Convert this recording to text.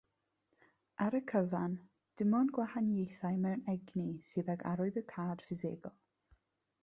Ar y cyfan, dim ond gwahaniaethau mewn egni sydd ag arwyddocâd ffisegol.